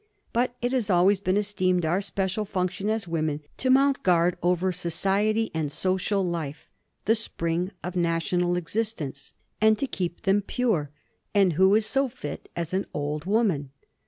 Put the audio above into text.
But it has always been esteemed our special function as women to mount guard over society and social life—the spring of national existence—and to keep them pure; and who so fit as an old woman?"